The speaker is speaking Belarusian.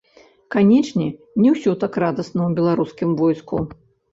Канечне, не ўсё так радасна ў беларускім войску.